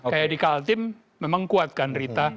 kayak di kaltim memang kuat kan rita